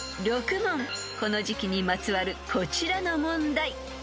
［この時季にまつわるこちらの問題］